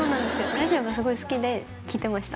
ラジオのすごい好きで聞いてました